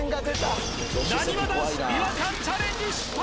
なにわ男子違和感チャレンジ失敗！